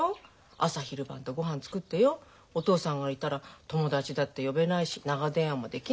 朝昼晩とごはん作ってよお父さんがいたら友達だって呼べないし長電話もできないし出かけらんない。